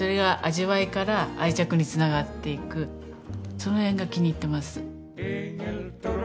その辺が気に入ってます。